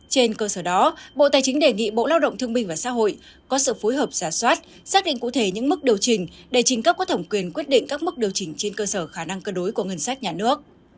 trên cơ sở đó bộ tài chính đề nghị bộ lao động thương minh và xã hội có sự phối hợp giả soát xác định cụ thể những mức điều chỉnh để trình cấp có thẩm quyền quyết định các mức điều chỉnh trên cơ sở khả năng cân đối của ngân sách nhà nước